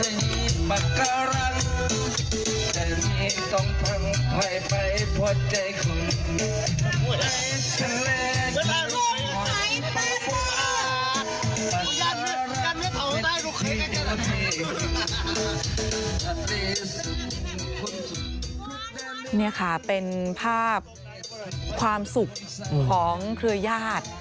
นี่ค่ะเป็นภาพความสุขของเครือญาติ